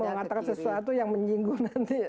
saya enggak mau mengatakan sesuatu yang menyinggung nanti